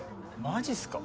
マジっすか？